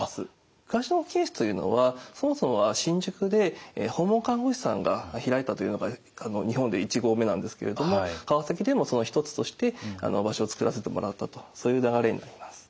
「暮らしの保健室」というのはそもそもは新宿で訪問看護師さんが開いたというのが日本で１号目なんですけれども川崎でもその一つとして場所を作らせてもらったとそういう流れになります。